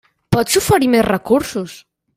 Pots oferir més recursos.